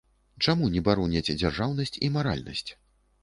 Чаму не бароняць дзяржаўнасць і маральнасць?